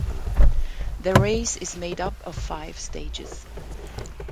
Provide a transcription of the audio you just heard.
The race is made up of five stages.